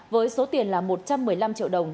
với số tiền là một trăm một mươi năm triệu đồng